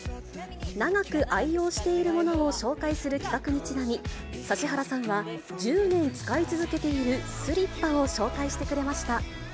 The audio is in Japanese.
長く愛用しているものを紹介する企画にちなみ、指原さんは、１０年使い続けているスリッパを紹介してくれました。